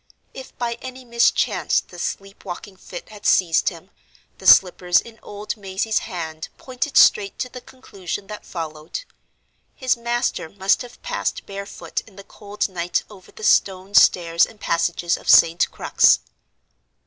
If by any mischance the sleep walking fit had seized him, the slippers in old Mazey's hand pointed straight to the conclusion that followed—his master must have passed barefoot in the cold night over the stone stairs and passages of St. Crux.